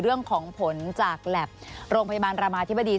เรื่องของผลจากแล็บโรงพยาบาลรามาธิบดี